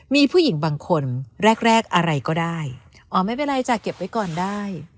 มีผู้หญิงบางคนแรกแรกอะไรก็ได้อ๋อไม่เป็นไรจ้ะเก็บไว้ก่อนได้